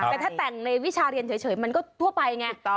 แต่ถ้าแต่งในวิชาเรียนเฉยมันก็ทั่วไปไง